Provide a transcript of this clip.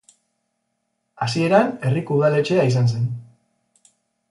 Hasieran herriko udaletxea izan zen.